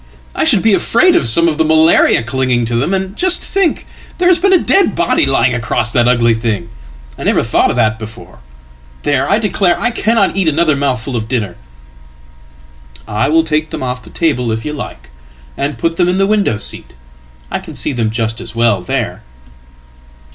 I should be afraid of some of the malariaclinging to them. And just think, there has been a dead body lying acrossthat ugly thing! I never thought of that before. There! I declare I cannoteat another mouthful of dinner.""I will take them off the table if you like, and put them in thewindow seat. I can see them just as well there."